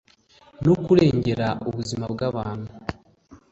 no kurengera ubuzima bw'abantu